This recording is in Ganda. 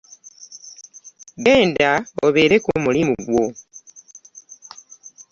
Genda obeere ku mulimu gwo.